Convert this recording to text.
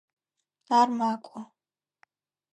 Ар макӏо.